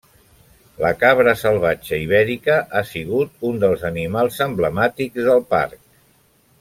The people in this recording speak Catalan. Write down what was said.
La cabra salvatge ibèrica ha sigut un dels animals emblemàtics del parc.